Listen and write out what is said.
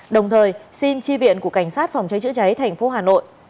đồng thời xin tri viện của cảnh sát phòng cháy chữa cháy tp hà nội